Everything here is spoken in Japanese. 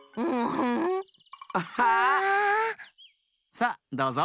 さっどうぞ。